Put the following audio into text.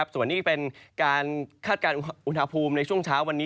ส่วนนี้เป็นการคาดการณ์อุณหภูมิในช่วงเช้าวันนี้